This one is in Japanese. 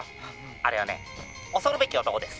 あれはね恐るべき男です」。